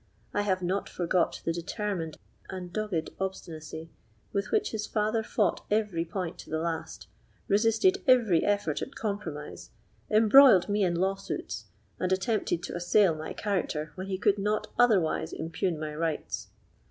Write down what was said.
I have not forgot the determined and dogged obstinacy with which his father fought every point to the last, resisted every effort at compromise, embroiled me in lawsuits, and attempted to assail my character when he could not otherwise impugn my rights.